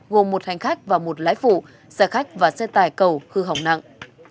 gồm một hành khách và một lái phụ xe khách và xe tải cầu hư hỏng nặng